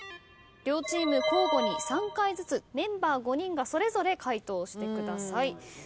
両チーム交互に３回ずつメンバー５人がそれぞれ解答してください。